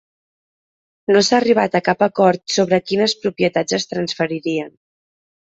No s'ha arribat a cap acord sobre quines propietats es transferirien.